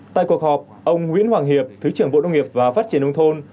tại cuộc họp ông nguyễn hoàng hiệp thứ trưởng bộ nông nghiệp và phát triển nông thôn